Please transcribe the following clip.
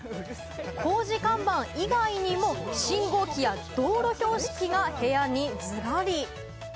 工事看板以外にも信号機や道路標識が部屋にずらり。